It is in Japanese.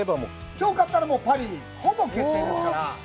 きょう勝ったら、パリ、ほぼ決定ですから。